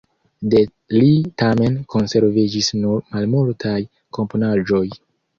De li tamen konserviĝis nur malmultaj komponaĵoj.